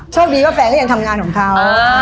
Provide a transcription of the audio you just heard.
โชคดีว่าแฟนก็ยังทำงานของเขา